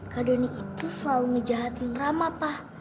kak denny itu selalu ngejahatin rama pak